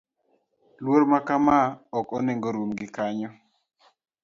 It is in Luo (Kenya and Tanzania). Luor ma kama ok onego orum gi kanyo.